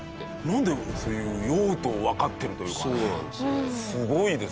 小峠：なんで、そういう用途をわかってるというかね。